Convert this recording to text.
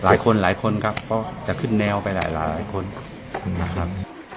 หลายคนหลายคนครับเพราะจะขึ้นแนวไปหลายคนนะครับ